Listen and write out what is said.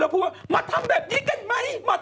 ขอให้พีคว่ากลางตลาด